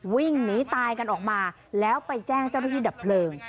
วิ่งหนีตายกันออกมาแล้วไปแจ้งเจ้าหน้าที่ดับเพลิง